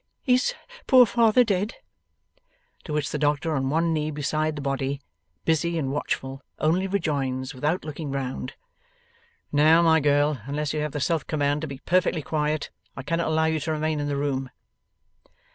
Is poor father dead?' To which the doctor, on one knee beside the body, busy and watchful, only rejoins without looking round: 'Now, my girl, unless you have the self command to be perfectly quiet, I cannot allow you to remain in the room.